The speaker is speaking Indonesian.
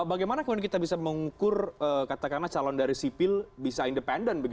bagaimana kemudian kita bisa mengukur katakanlah calon dari sipil bisa independen